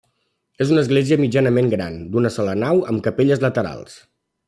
És una església mitjanament gran, d'una sola nau amb capelles laterals.